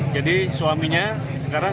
jadi suaminya sekarang